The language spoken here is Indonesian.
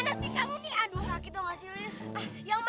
estas bukanlah takie tempat quieren spamu